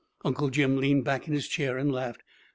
Uncle Jim leaned back in his chair and laughed.